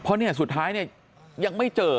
เพราะสุดท้ายนี่ยังไม่เจอ